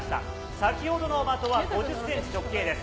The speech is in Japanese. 先ほどの的は５０センチ、直径です。